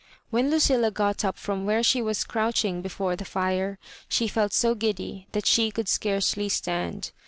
When Lucilla got up from where she was crouching before the fire she fdt so giddy that tibe oould scarcely stand.